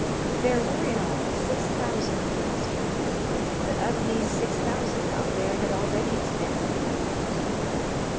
There were in all six thousand piastres, but of these six thousand Albert had already expended three thousand.